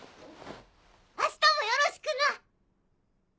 明日もよろしくな！